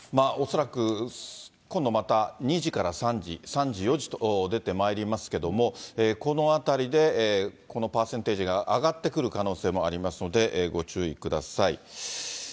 恐らく今度また２時から３時、３時、４時と出てまいりますけども、このあたりでこのパーセンテージが上がってくる可能性もありますので、ご注意ください。